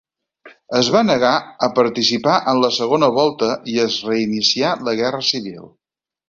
Es va negar a participar en la segona volta, i es reinicià la guerra civil.